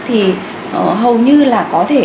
thì hầu như là có thể